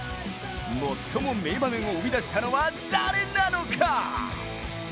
最も名場面を生み出したのは誰なのか？